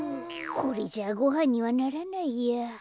これじゃごはんにはならないや。